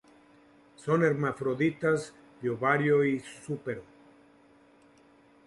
Son hermafroditas, de ovario súpero.